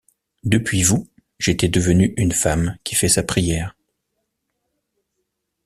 Depuis vous, j’étais devenue une femme qui fait sa prière.